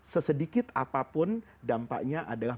sesedikit apapun dampaknya adalah